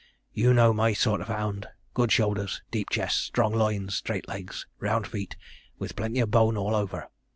You know my sort of hound; good shoulders, deep chests, strong loins, straight legs, round feet, with plenty of bone all over.